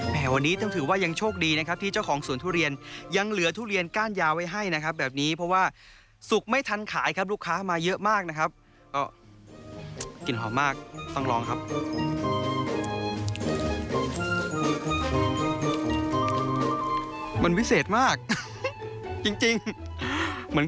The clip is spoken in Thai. มันพิเศษมากจริงเหมือนขึ้นสวรรค์เลยครับคุณผู้ชม